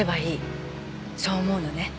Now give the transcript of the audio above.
そう思うのね？